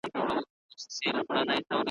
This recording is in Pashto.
او یا منفی نظر ورکړي ,